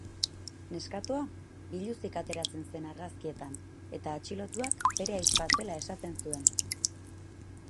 Neskatoa biluzik ateratzen zen argazkietan eta atxilotuak bere ahizpa zela esaten zuen.